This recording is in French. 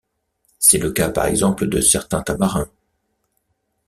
C'est le cas par exemple de certains tamarins.